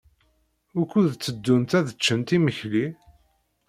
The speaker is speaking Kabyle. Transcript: Wukud tteddunt ad ččent imekli?